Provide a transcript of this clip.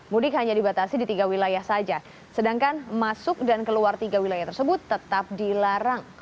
mudik hanya dibatasi di tiga wilayah saja sedangkan masuk dan keluar tiga wilayah tersebut tetap dilarang